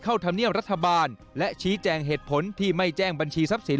ธรรมเนียมรัฐบาลและชี้แจงเหตุผลที่ไม่แจ้งบัญชีทรัพย์สิน